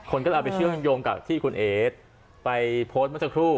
คนก็เลยเอาไปเชื่อมโยงกับที่คุณเอ๋ไปโพสต์เมื่อสักครู่